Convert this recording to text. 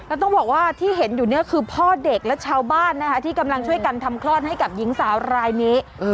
แล้วต้องบอกว่าที่เห็นอยู่เนี่ยคือพ่อเด็กและชาวบ้านนะคะที่กำลังช่วยกันทำคลอดให้กับหญิงสาวรายนี้